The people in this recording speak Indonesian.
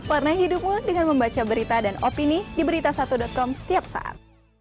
warna hidup pun dengan membaca berita dan opini di berita satu com setiap saat